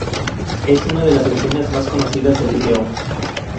Es una de las escenas más conocidas del vídeo.